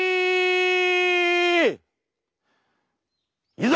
いざ！